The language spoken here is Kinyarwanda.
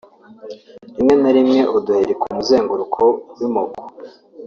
rimwe na rimwe uduheri ku muzenguruko w’imoko